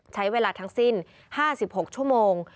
ใช้เวลาทั้งสิ้น๕๖ชั่วโมง